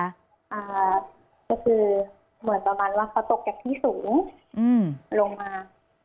ก็คือเหมือนประมาณว่าเขาตกจากที่สูงอืมลงมา